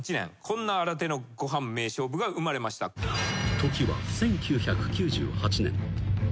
［時は１９９８年］